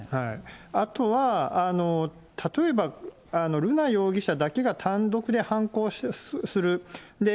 あとは例えば、瑠奈容疑者だけが単独で犯行をする。